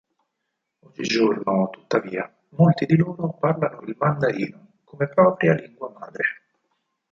Oggigiorno, tuttavia, molti di loro parlano il Mandarino come propria lingua madre.